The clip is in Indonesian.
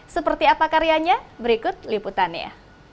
seperti apa karyanya berikut liputannya